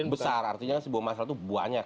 besar artinya kan sebuah masalah itu banyak